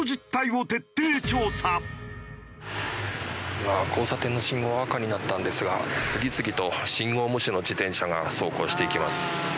今交差点の信号が赤になったんですが次々と信号無視の自転車が走行していきます。